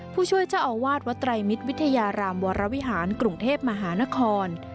ผู้ช่วยเจ้าอาวาสวัดไตรมิตรวิทยารามวรวิหารกรุงเทพมหานคร